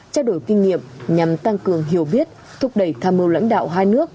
trao đổi kinh nghiệm nhằm tăng cường hiểu biết thúc đẩy tham mưu lãnh đạo hai nước